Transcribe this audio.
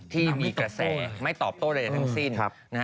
ที่มีกระแสไม่ตอบโต้ใดทั้งสิ้น